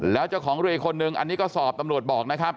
แล้วเจ้าของเรือคนหนึ่งอันนี้ก็สอบตำรวจบอกนะครับ